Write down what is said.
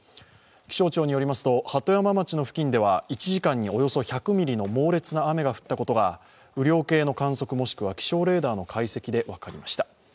気象庁によりますと、鳩山町の付近では１時間におよそ１００ミリの猛烈な雨が降ったことが雨量計の観測もしくは気象レーダーの解析で分かりました。